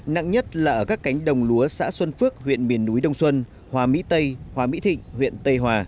nặng nhất là ở các cánh đồng lúa xã xuân phước huyện miền núi đông xuân hòa mỹ tây hòa mỹ thịnh huyện tây hòa